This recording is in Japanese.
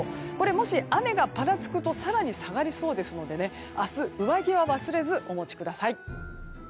もし雨がぱらつくと更に下がりそうですので明日、上着は忘れずお持ちください。